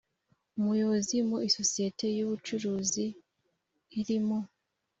umuyobozi mu isosiyete y ubucuruzi iri mu